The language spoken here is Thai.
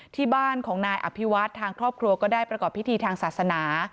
ที่บ้านของนายอภิวัฒน์ทางครอบครัวก็ได้ประกอบพิธีทางศาสนา